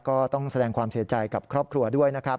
ก็ต้องแสดงความเสียใจกับครอบครัวด้วยนะครับ